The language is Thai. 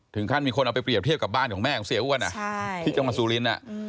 ถึงขั้นมีคนเอาไปเปรียบเทียบกับบ้านของแม่ของเสียอ้วนที่จังหมาสูริน